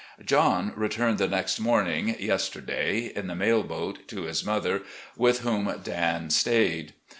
"John returned the next morning, yesterday, in the mail boat, to his mother, with whom Dan stayed.